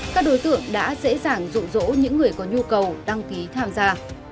các đối tượng đã dễ dàng dụ dỗ những người có nhu cầu đăng ký tham gia